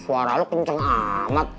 suara lo kenceng amat